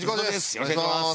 よろしくお願いします。